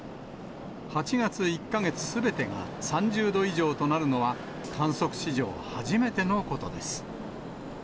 ８月１か月すべてが３０度以上となるのは、観測史上初めてのことです。